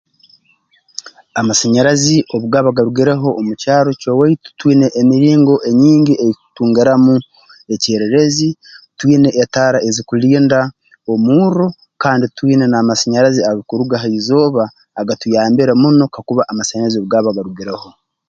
Amasanyarazi obu gaba garugireho omu kyaro ky'owaitu twine emiringo enyingi ei tutungiramu ekyererezi twine etaara ezikulinda omurro kandi twina n'amasanyarazi agakuruga ha izooba agatuyambire muno kakuba amasanyarazi obu gaba garugireho